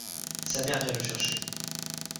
Sa mère vient le chercher.